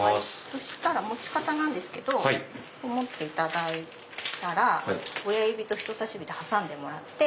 そしたら持ち方なんですけど持っていただいたら親指と人さし指で挟んでもらって。